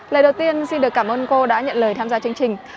lời đầu tiên xin được cảm ơn cô đã nhận lời tham gia chương trình